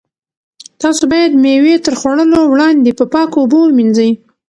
تاسو باید مېوې تر خوړلو وړاندې په پاکو اوبو ومینځئ.